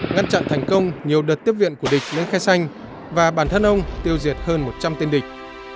ngăn chặn thành công nhiều đợt tiếp viện của địch những khe xanh và bản thân ông tiêu diệt hơn một trăm linh tên địch